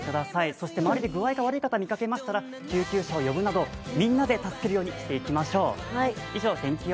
そして周りで具合が悪い方を見かけましたら救急車を呼ぶなど、みんなで助けるようにしていきましょう。